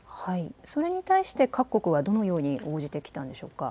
それに対して各国はどのように応じてきたんでしょうか。